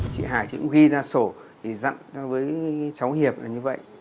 chị hải chị cũng ghi ra sổ thì dặn cho với cháu hiệp là như vậy